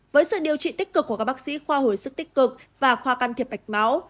với sự điều trị tích cực của các bác sĩ khoa hồi sức tích cực và khoa can thiệp mạch máu